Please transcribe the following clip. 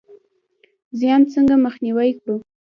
زیان څنګه مخنیوی کړو؟